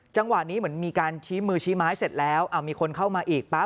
จังหวะนี้เหมือนมีการชี้มือชี้ไม้เสร็จแล้วมีคนเข้ามาอีกปั๊บ